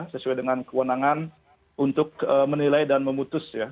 sesuai dengan kewenangan untuk menilai dan memutus ya